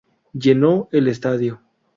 Llenó el estadio.